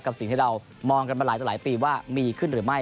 กับสิ่งที่เรามองกันมาหลายปีว่ามีขึ้นหรือไม่